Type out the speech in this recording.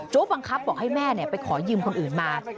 บังคับบอกให้แม่ไปขอยืมคนอื่นมา